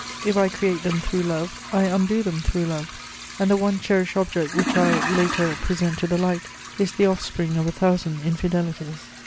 If I create them through love, I undo them through love, and the one cherished object which I, later, present to the light is the offspring of a thousand infidelities.